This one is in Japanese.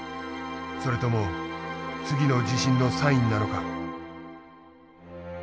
それとも次の地震のサインなのか。